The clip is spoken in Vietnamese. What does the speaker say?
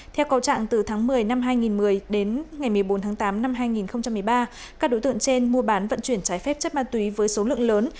theo cầu trạng từ tháng một mươi năm hai nghìn một mươi đến ngày một mươi bốn tháng tám năm hai nghìn một mươi ba các đối tượng trên mua bán vận chuyển trái phép chất ma túy với số lượng lớn